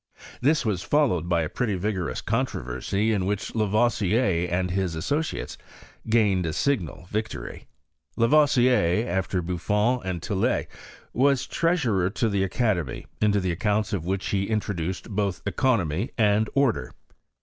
This was followed by a pretty vigorous controversy, in which Lavoisier and his associates gained a. signal victory. Lavoisier, after Buffon and Tillet, was treasurer to the academy, into the accounts of which he intro duced both economy and order.